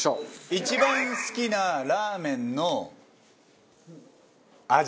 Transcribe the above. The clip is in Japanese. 一番好きなラーメンの味。